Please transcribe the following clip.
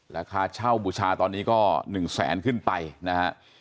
ราคาเช่าบุชาตอนนี้ก็๑๐๐๐๐๐บาทขึ้นไปนะ